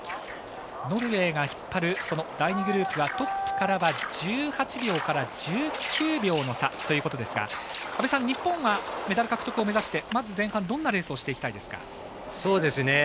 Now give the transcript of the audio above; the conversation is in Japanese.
ノルウェーが引っ張る第２グループはトップからは１８秒から１９秒の差ということですが日本はメダル獲得を目指してまず前半、どんなレースをしていきたいですか。